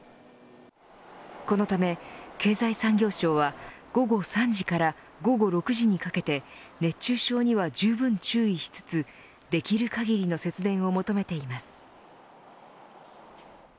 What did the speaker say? このため経済産業省は午後３時から午後６時にかけて熱中症にはじゅうぶん注意しつつできる限りの節電を求めています。